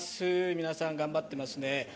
皆さん、頑張っていますね。